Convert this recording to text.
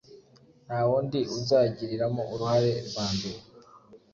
ntawundi uzarigiramo uruhare rwa mbere